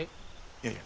いやいや。